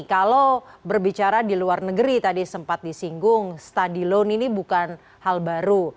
kalau berbicara di luar negeri tadi sempat disinggung stadion ini bukan hal baru